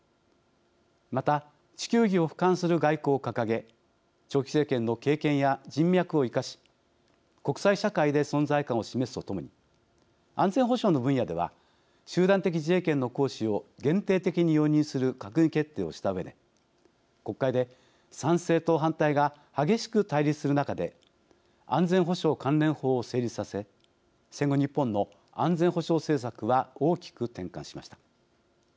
また地球儀をふかんする外交を掲げ長期政権の経験や人脈を生かし国際社会で存在感を示すとともに安全保障の分野では集団的自衛権の行使を限定的に容認する閣議決定をしたうえで国会で賛成と反対が激しく対立する中で安全保障関連法を成立させ戦後日本の安全保障政策は大きく転換しました。